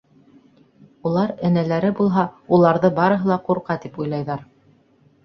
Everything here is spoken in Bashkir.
Улар, энәләре булһа, уларҙы барыһы ла ҡурҡа тип уйлайҙар...